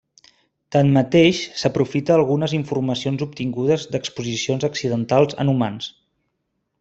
Tanmateix s'aprofita algunes informacions obtingudes d'exposicions accidentals en humans.